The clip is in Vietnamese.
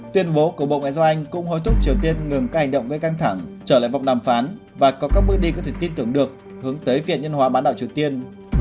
tuyên bố của bộ ngoại giao anh cũng hối thúc triều tiên ngừng các hành động gây căng thẳng trở lại vòng đàm phán và có các bước đi có thể tin tưởng được hướng tới việt nhân hóa bán đảo triều tiên